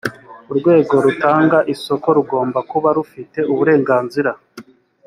urwego rutanga isoko rugomba kuba rufite uburenganzira